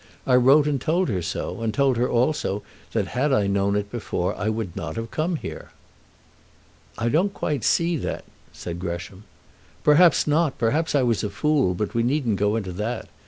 I wrote and told her so, and told her also that had I known it before I would not have come here." "I don't quite see that," said Gresham. "Perhaps not; perhaps I was a fool. But we needn't go into that.